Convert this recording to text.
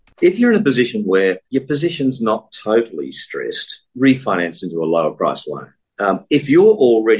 pembelian kembali ke suku bunga tidak akan terdapat karena peminjam baru tidak akan mengatakan